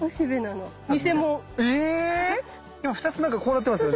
でも２つなんかこうなってますよね。